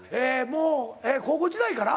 もう高校時代から？